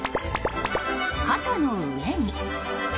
肩の上に。